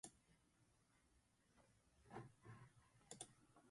Kesanje je srcu zdravilo.